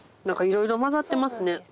なんかいろいろ混ざってますね。